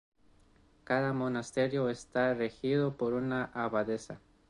Cada monasterio está regido por una abadesa.